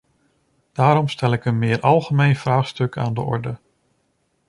Daarom stel ik een meer algemeen vraagstuk aan de orde.